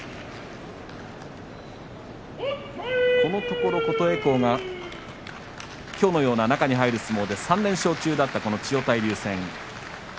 このところ琴恵光がきょうのような中に入る相撲で３連勝中だった千代大龍戦。